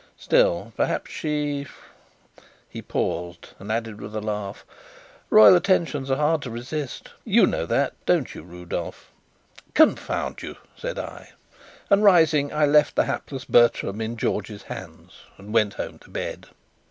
Still perhaps she " He paused and added, with a laugh: "Royal attentions are hard to resist you know that, don't you, Rudolf?" "Confound you!" said I; and rising, I left the hapless Bertram in George's hands and went home to bed.